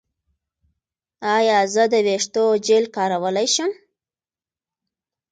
ایا زه د ویښتو جیل کارولی شم؟